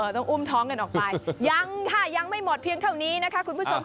ต้องอุ้มท้องกันออกไปยังค่ะยังไม่หมดเพียงเท่านี้นะคะคุณผู้ชมค่ะ